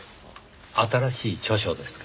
新しい著書ですか？